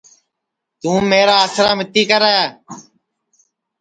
توں میرا آسرا متی کرے